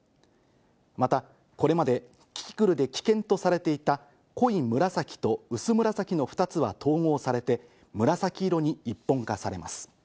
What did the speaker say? また、これまでキキクルで危険とされていた濃い紫と薄紫の２つは統合されて、紫色に一本化されます。